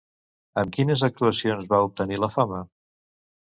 Amb quines actuacions va obtenir la fama?